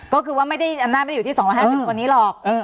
ก็คือว่าไม่ได้อำนาจไม่ได้อยู่ที่๒๕๐คนนี้หรอก